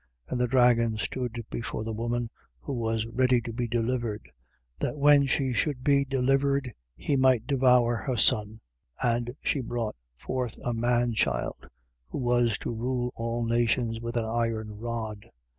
And the dragon stood before the woman who was ready to be delivered: that, when she should be delivered, he might devour her son. 12:5. And she brought forth a man child, who was to rule all nations with an iron rod.